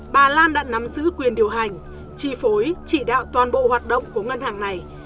bà lan đã nắm giữ quyền điều hành chi phối chỉ đạo toàn bộ hoạt động của ngân hàng này